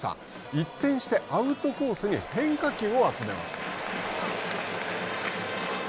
一転してアウトコースに変化球を集めます。